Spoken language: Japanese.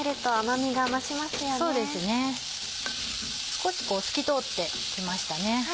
少し透き通って来ましたね。